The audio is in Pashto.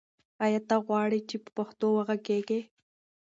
آیا ته غواړې چې په پښتو وغږېږې؟